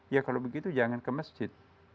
ya kalau begitu jangan ke masjid